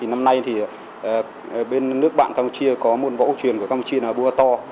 năm nay bên nước bạn campuchia có một võ cục truyền của campuchia là bua to